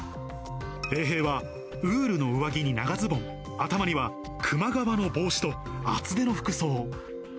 衛兵はウールの上着に長ズボン、頭にはクマ皮の帽子と、厚手の服装。